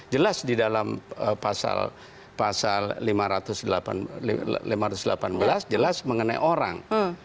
jelas di dalam pasal lima ratus delapan belas jelas mengenai orang